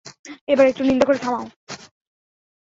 এবার একটু নিন্দা করা থামাও?